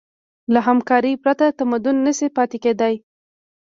له همکارۍ پرته تمدن نهشي پاتې کېدی.